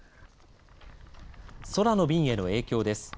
空の便への影響です。